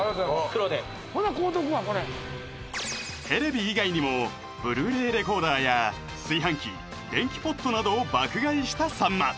黒でテレビ以外にもブルーレイレコーダーや炊飯器電気ポットなどを爆買いしたさんま